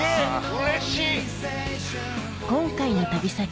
うれしい！